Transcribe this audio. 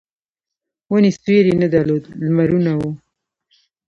ونې سیوری نه درلود لمرونه وو.